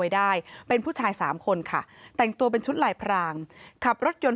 ได้เป็นผู้ชายสามคนค่ะแต่งตัวเป็นชุดลายพรางขับรถยนต์